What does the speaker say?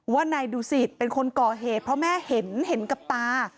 ว่านายดูสิตเป็นคนก่อเหตุเพราะแม่เห็นเห็นกับตา